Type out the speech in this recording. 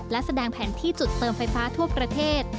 และแสดงแผนที่จุดเติมไฟฟ้าทั่วประเทศ